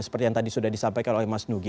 seperti yang tadi sudah disampaikan oleh mas nugi